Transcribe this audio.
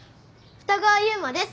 二川悠馬です。